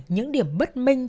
những điểm bất minh